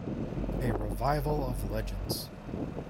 A revival of Legends!